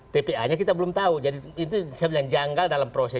tpa nya kita belum tahu jadi itu saya bilang janggal dalam proses